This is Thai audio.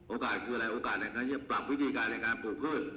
โอกาสคืออะไรโอกาสในการปรับวิธีการลึกินโอกาสมาก